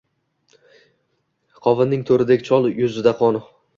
Qovunning toʻridek chol yuzida qon